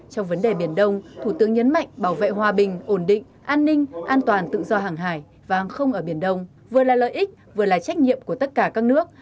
trong vấn đề biển đông thủ tướng nhấn mạnh bảo vệ hòa bình ổn định an ninh an toàn tự do hàng hải và hàng không ở biển đông vừa là lợi ích vừa là trách nhiệm của tất cả các nước